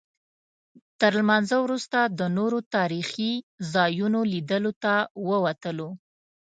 تر لمانځه وروسته د نورو تاریخي ځایونو لیدلو ته ووتلو.